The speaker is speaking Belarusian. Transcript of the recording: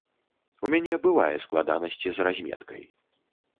У мяне бывае складанасці з разметкай.